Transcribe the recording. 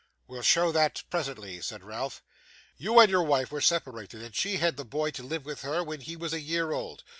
'We'll show that presently,' said Ralph. 'You and your wife were separated, and she had the boy to live with her, when he was a year old.